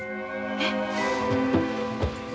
えっ？